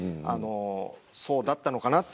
そうだったのかなと。